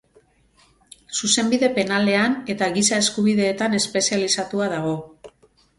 Zuzenbide Penalean eta Giza Eskubideetan espezializatua dago.